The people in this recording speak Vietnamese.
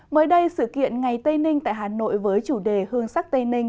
mới đây sự kiện ngày tây ninh tại hà nội với chủ đề hương sắc tây ninh